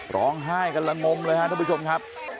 ร้องไห้กันละงมเลยครับท่านผู้ชมครับ